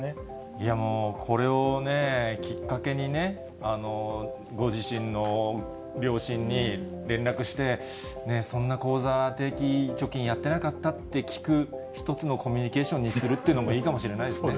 いや、もうこれをね、きっかけにね、ご自身の両親に連絡して、ねぇ、そんな口座、定期貯金やってなかったって聞く一つのコミュニケーションにするっていうのもいいかもしれないですね。